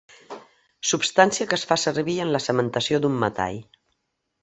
Substància que es fa servir en la cementació d'un metall.